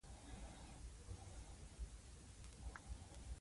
ځکه چې د معمولي خوزېدو سره پکښې هم څړيکې کيږي